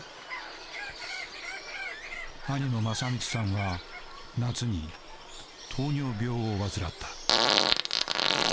兄の正光さんは夏に糖尿病を患った。